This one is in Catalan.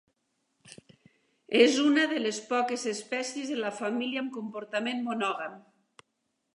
És una de les poques espècies de la família amb comportament monògam.